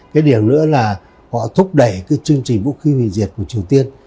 cái điểm nữa là họ thúc đẩy cái chương trình vũ khí hình diệt của triều tiên